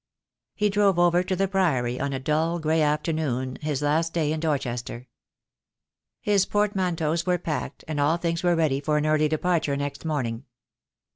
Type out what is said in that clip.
He drove over to the Priory on a dull, grey afternoon, his last day in Dorchester. His portmanteaus were packed, and all things were ready for an early departure next morning.